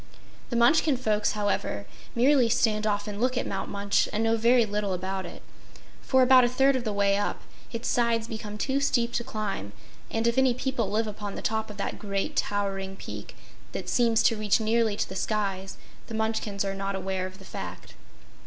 The Munchkin folks, however, merely stand off and look at Mount Munch and know very little about it; for, about a third of the way up, its sides become too steep to climb, and if any people live upon the top of that great towering peak that seems to reach nearly to the skies, the Munchkins are not aware of the fact.